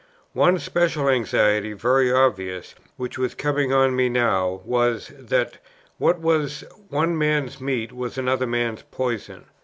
One special anxiety, very obvious, which was coming on me now, was, that what was "one man's meat was another man's poison."